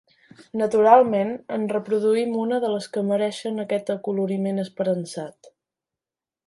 Naturalment, en reproduïm una de les que mereixen aquest acoloriment esperançat.